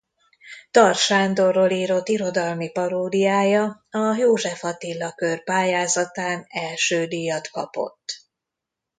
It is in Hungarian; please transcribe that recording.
Tar Sándorról írott irodalmi paródiája a József Attila Kör pályázatán első díjat kapott.